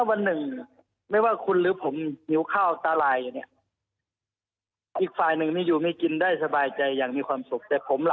วันหนึ่งไม่ว่าคุณหรือผมหิวข้าวตาลายเนี่ยอีกฝ่ายหนึ่งนี่อยู่ไม่กินได้สบายใจอย่างมีความสุขแต่ผมล่ะ